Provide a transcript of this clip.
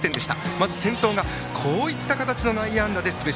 まず先頭こういう形の内野安打で出塁。